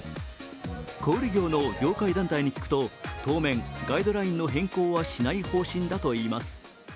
小売業の業界団体に聞くと当面、ガイドラインの変更はしない方針だといいます。